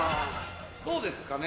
どうですかね？